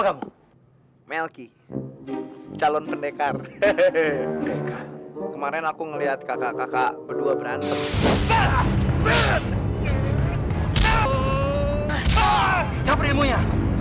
sampai jumpa di video selanjutnya